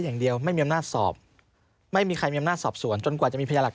มันมีเหตุยิงกันตายห่างจากโรงพรรคห่างจากกองบัญชาการตลอดภูทรภาค๘